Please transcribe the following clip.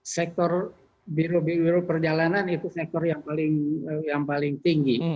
sektor biro biro perjalanan itu sektor yang paling tinggi